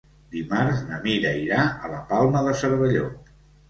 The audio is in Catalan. Dimarts na Mira irà a la Palma de Cervelló.